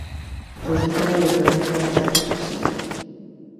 Pois dun traballo que vén de moi atrás, si.